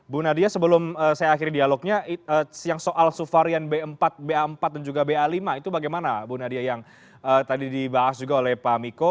bu nadia sebelum saya akhiri dialognya yang soal suvarian b empat ba empat dan juga ba lima itu bagaimana bu nadia yang tadi dibahas juga oleh pak miko